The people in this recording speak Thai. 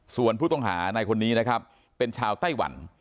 ส่วนผู้ต้องหาในคนนี้นะครับเป็นชาวไต้หวัน